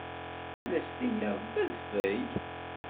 Ad as-tiniḍ d adfel.